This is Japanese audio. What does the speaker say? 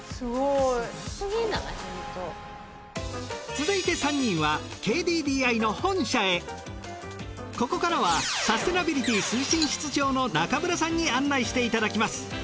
続いて３人はここからはサステナビリティ推進室長の中村さんに案内していただきます。